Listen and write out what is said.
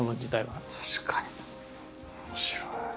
面白い。